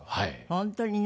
本当にね。